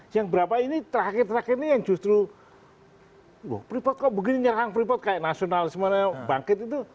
yang berapa ini terakhir terakhir ini yang justru loh freeport kok begini nyerang freeport kayak nasionalisme bangkit itu